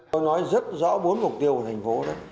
tôi nói rất rõ bốn mục tiêu của thành phố đó